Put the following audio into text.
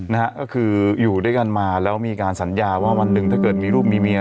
นะฮะก็คืออยู่ด้วยกันมาแล้วมีการสัญญาว่าวันหนึ่งถ้าเกิดมีลูกมีเมีย